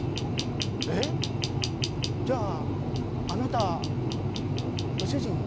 えっ⁉じゃああなたご主人？